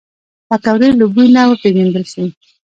پکورې له بوی نه وپیژندل شي